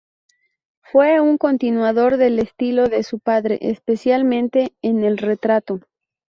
Fue un continuador del estilo de su padre, especialmente en el retrato.